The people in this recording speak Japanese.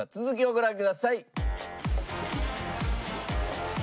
続きをご覧ください。